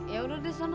ya udah deh sana